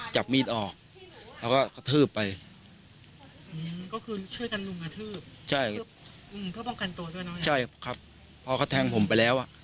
ใช่ครับเพราะเขาแทงผมไปแล้ว